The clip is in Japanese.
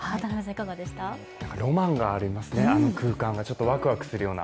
ロマンがありますね、あの空間がちょっとワクワクするような。